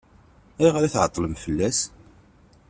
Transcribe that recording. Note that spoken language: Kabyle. Ayɣer i tɛeṭṭlem fell-as?